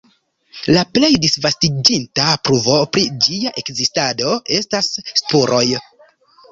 La plej disvastiĝinta pruvo pri ĝia ekzistado estas spuroj.